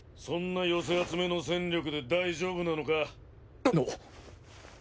そんな寄せ集めの戦力で大丈夫なのか？